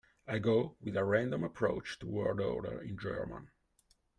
I go with a random approach to word order in German.